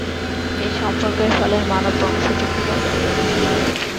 এই সম্পর্কের ফলেই মানব বংশবৃদ্ধি বজায় রয়েছে।